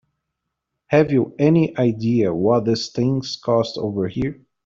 Have you any idea what these things cost over here?